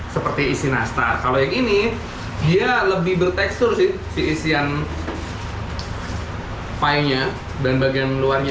seperti isi nastar kalau yang ini dia lebih bertekstur sih si isian pie nya dan bagian luarnya